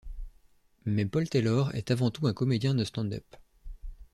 Mais Paul Taylor est avant tout un comédien de stand up.